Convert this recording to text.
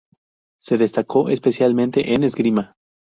Se destacó especialmente en esgrima.